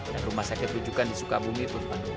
dan rumah sakit wujudkan di sukabumi pun penuh